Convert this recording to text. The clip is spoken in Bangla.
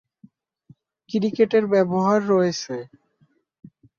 ক্রিকেটে এর ব্যবহার রয়েছে।